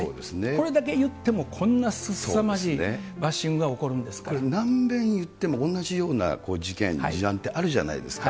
これだけ言っても、こんなすさまじいバッシングが起こるんでこれ、何べん言っても同じような事件、事案ってあるじゃないですか。